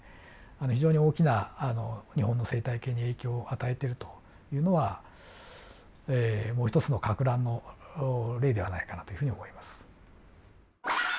非常に大きな日本の生態系に影響を与えてるというのはもう一つのかく乱の例ではないかなというふうに思います。